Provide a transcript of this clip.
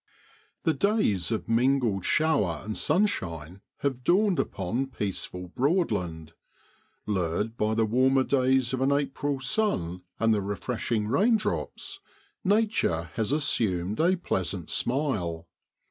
HE days of mingled shower and sunshine have dawned upon peaceful Broadland. Lured by the warmer days of an April sun and the refresh ing raindrops, nature has assumed a pleasant smile.